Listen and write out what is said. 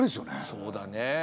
そうだね。